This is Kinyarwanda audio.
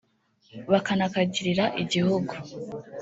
bakanakagirira igihugu